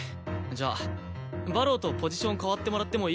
じゃあ馬狼とポジション替わってもらってもいいか？